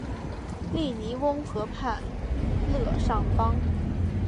利尼翁河畔勒尚邦。